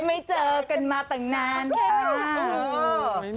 ไม่เจอกันมาตั้งนานแล้ว